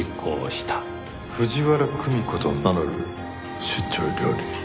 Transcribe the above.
藤原久美子と名乗る出張料理人。